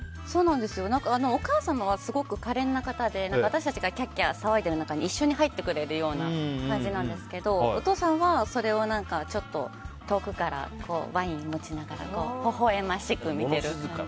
何かお母様はすごく可憐な方で私たちがキャッキャ騒いでいる中に一緒に入ってくれるような感じなんですけどお父さんはそれをちょっと遠くからワインを持ちながらほほ笑ましく見ていて。